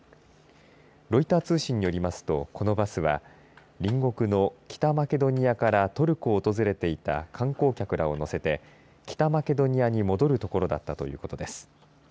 ロイター通信によりますとこのバスは隣国の北マケドニアからトルコを訪れていた観光客らを乗せて北マケドニアに戻るところだったということです。